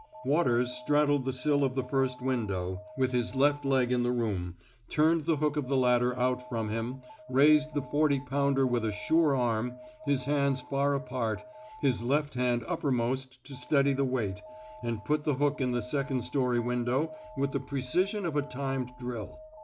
Waters straddled the sill of the first win 184 TRAINING ^* SALLY ^' WATERS dow, with his left leg in the room, turned the hook of the ladder out from him, raised the forty pounder with a sure arm — his hands far apart, his left hand uppermost to steady the weight — and put the hook in the second story window with the preci sion of a timed drill.